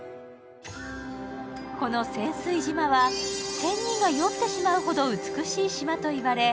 この仙酔島は仙人が酔ってしまうほど美しい島と言われ。